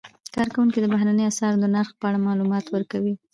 کارکوونکي د بهرنیو اسعارو د نرخ په اړه معلومات ورکوي.